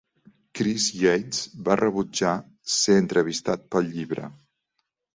Chris Yates va rebutjar ser entrevistat pel llibre.